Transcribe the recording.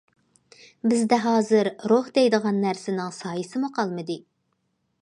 بىزدە ھازىر روھ دەيدىغان نەرسىنىڭ سايىسىمۇ قالمىدى.